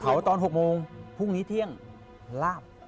ตอน๖โมงพรุ่งนี้เที่ยงลาบ